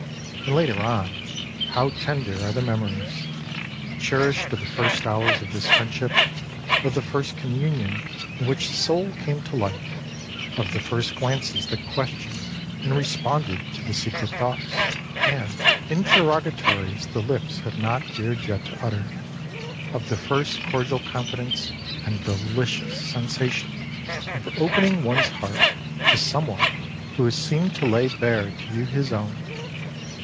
And later on, how tender are the memories cherished of the first hours of this friendship, of the first communion in which the soul came to light, of the first glances that questioned and responded to the secret thoughts and interrogatories the lips have not dared yet to utter, of the first cordial confidence and delicious sensation of opening oneâs heart to someone who has seemed to lay bare to you his own!